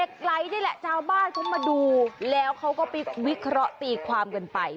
ไลค์นี่แหละชาวบ้านเขามาดูแล้วเขาก็ไปวิเคราะห์ตีความกันไป